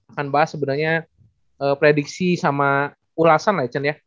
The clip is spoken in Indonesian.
akan bahas sebenarnya prediksi sama ulasan lah chan ya